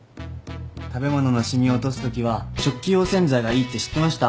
食べ物の染みを落とすときは食器用洗剤がいいって知ってました？